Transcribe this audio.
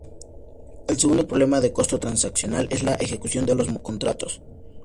El segundo problema de costo transaccional es la ejecución de los contratos.